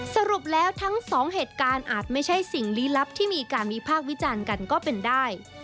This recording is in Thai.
สรุปแล้วทั้งสองเหตุการณ์อาจไม่ใช่สิ่งลี้ลับที่มีการวิพากษ์วิจารณ์กันก็เป็นได้